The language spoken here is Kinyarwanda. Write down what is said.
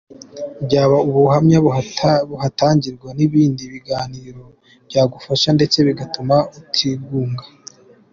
Byaba ubuhamya buhatangirwa n’ibindi biganiro byagufasha ndetse bigatuma utigunga.